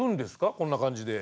こんな感じで。